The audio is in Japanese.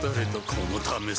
このためさ